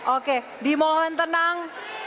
oke dimohon tenang